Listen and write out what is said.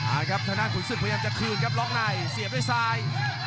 ครับทางด้านขุนศึกพยายามจะคืนครับล็อกในเสียบด้วยซ้าย